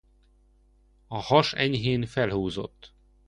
A has enyhén felhúzott.